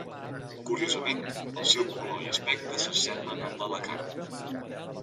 Curiosament, el seu color i aspecte s'assembla al de la carn.